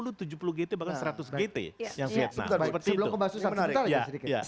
sebelum membahas susah susah sebentar lagi sedikit